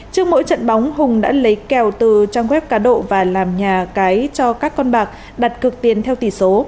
trước mỗi trận bóng hùng đã lấy kèo từ trang web cá độ và làm nhà cái cho các con bạc đặt cược tiền theo tỷ số